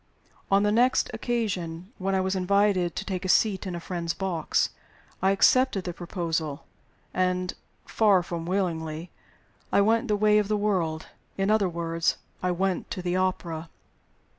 On the next occasion when I was invited to take a seat in a friend's box, I accepted the proposal; and (far from willingly) I went the way of the world in other words, I went to the opera.